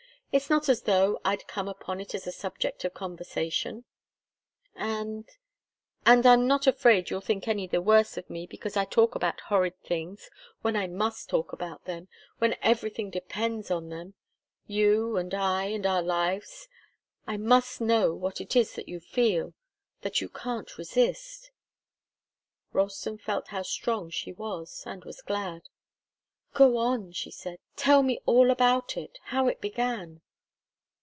It's not as though I'd come upon it as a subject of conversation and and I'm not afraid you'll think any the worse of me because I talk about horrid things, when I must talk about them when everything depends on them you and I, and our lives. I must know what it is that you feel that you can't resist." Ralston felt how strong she was, and was glad. "Go on," she said. "Tell me all about it how it began."